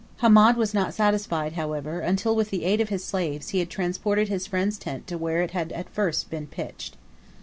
Hamed was not satisfied, however, until, with the aid of his slaves, he had transported his friend's tent to where it had at first been pitched.